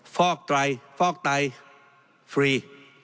ฟอกไตรฟรี